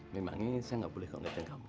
memangnya saya nggak boleh kalau ngeliatin kamu